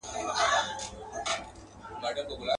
که دیدن کړې ګودر ته راسه.